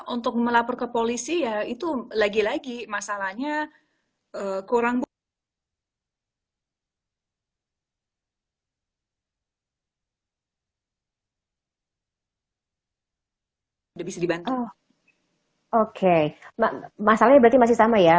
untuk melapor ke polisi ya